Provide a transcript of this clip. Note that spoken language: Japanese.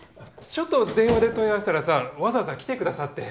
ちょっと電話で問い合わせたらさわざわざ来てくださって。